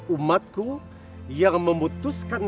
umatku yang memutuskan